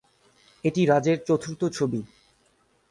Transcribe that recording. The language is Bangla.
এটি রাজের চতুর্থ ছবি।